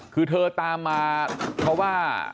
คือเธอตามมาเพราะว่า